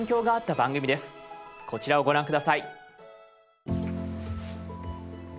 こちらをご覧下さい。